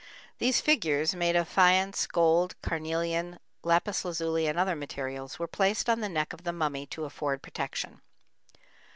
These figures, made of faience, gold, carnelian, lapis lazuli, and other materials, were placed on the neck of the mummy to afford protection.